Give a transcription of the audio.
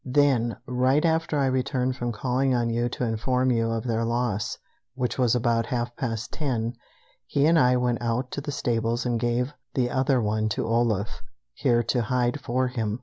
Then, right after I returned from calling on you to inform you of their loss, which was about half past ten, he and I went out to the stables and he gave the other one to Olaf here to hide for him.